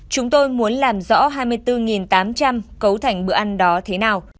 chúng tôi muốn làm rõ hai mươi bốn tám trăm linh cấu thành bữa ăn đó thế nào